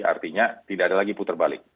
artinya tidak ada lagi putar balik